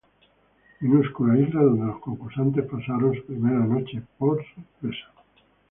Minúscula isla donde los concursantes pasaron su primera noche por sorpresa.